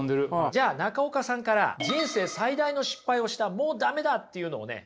じゃあ中岡さんから「人生最大の失敗をしたもうダメだ」っていうのをね